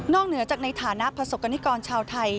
เหนือจากในฐานะประสบกรณิกรชาวไทย